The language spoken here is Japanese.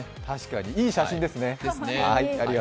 確かに、いい写真ですね。